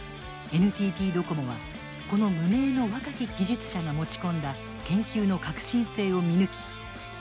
ＮＴＴドコモはこの無名の若き技術者が持ち込んだ研究の革新性を見抜き採用。